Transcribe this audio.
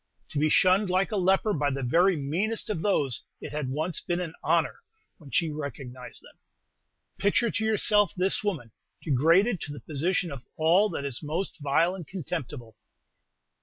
To be shunned like a leper by the very meanest of those it had once been an honor when she recognized them. Picture to yourself this woman, degraded to the position of all that is most vile and contemptible.